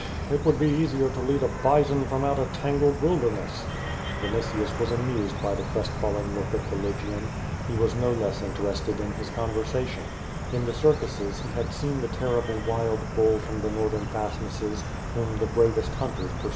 '*Eh! It would be easier to lead a bison from out a tangled wilderness." Vinitius was amused by the crestfallen look of the Lygian. He was no less interested in his eonversiition. In the circuses he had seen the terrible wild bull from the northern fast nesses, whom the l)ravest hunters piir.